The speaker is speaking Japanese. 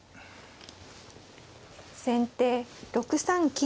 先手６三金。